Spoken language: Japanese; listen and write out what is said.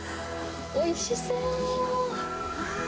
おいしそう。